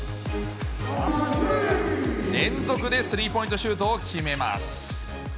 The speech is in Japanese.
連続でスリーポイントシュートを決めます。